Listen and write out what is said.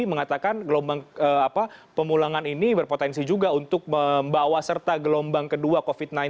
mengatakan gelombang pemulangan ini berpotensi juga untuk membawa serta gelombang kedua covid sembilan belas